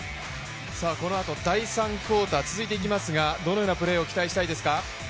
このあと第３クオーターに続いていきますがどのようなプレーを期待したいですか。